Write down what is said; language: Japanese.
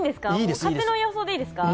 勝手な予想でいいですか？